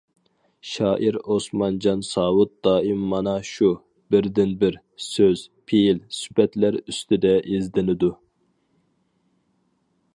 شائىر ئوسمانجان ساۋۇت دائىم مانا شۇ «بىردىنبىر» سۆز، پېئىل، سۈپەتلەر ئۈستىدە ئىزدىنىدۇ.